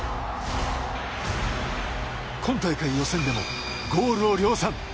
今大会予選でもゴールを量産。